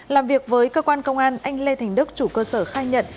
làm việc với cơ quan công an anh lê thành đức chủ cơ sở khai nhận